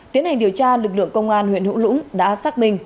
tiến hành điều tra lực lượng công an huyện hữu lũng đã xác minh